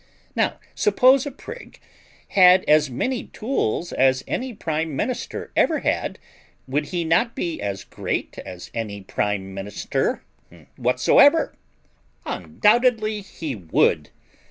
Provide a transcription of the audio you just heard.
Now, suppose a prig had as many tools as any prime minister ever had, would he not be as great as any prime minister whatsoever? Undoubtedly he would.